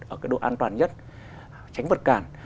ở độ an toàn nhất tránh vật cản